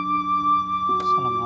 neng mah kayak gini